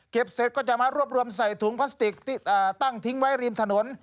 เสร็จก็จะมารวบรวมใส่ถุงพลาสติกตั้งทิ้งไว้ริมถนน